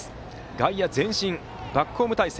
外野前進、バックホーム態勢。